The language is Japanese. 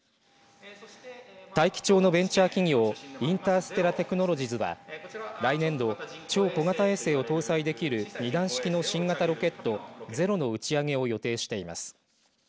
大樹町のベンチャー企業インターステラテクノロジズは来年度超小型衛星を搭載できる２段式の新型ロケットＺＥＲＯの打ち上げを予定しています。